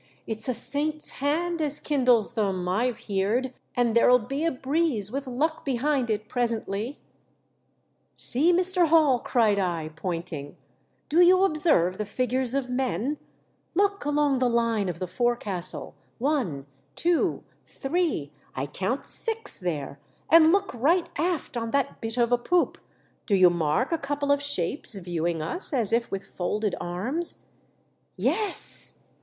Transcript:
"It's a saint's hand as kindles them, I've beared, and there'll be a breeze with luck behind it presently," "See, Mr. Hall!" cried I, pointing, "do you observe the figures of men ? Look along the line of the forecastle — one, two, three — I count six there ; and look right aft on yS THE DEATH SHIP. that bit of a poop. Do you mark a couple of shapes viewing us as if with folded arms ?" "Yes!"